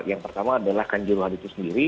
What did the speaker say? yang pertama adalah kan juruhan itu sendiri